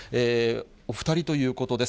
お２人ということです。